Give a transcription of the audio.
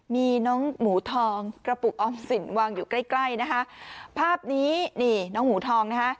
มีน้องหมูทองกระปุกออมสินวางอยู่ใกล้ใกล้นะคะภาพนี้นี่น้องหมูทองนะคะ